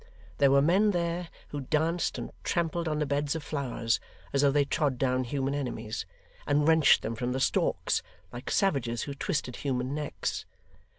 There were men there, who danced and trampled on the beds of flowers as though they trod down human enemies, and wrenched them from the stalks, like savages who twisted human necks.